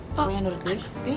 apa yang menurut lo